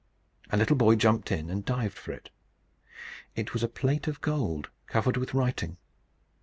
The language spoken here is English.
A little boy jumped in and dived for it. It was a plate of gold covered with writing.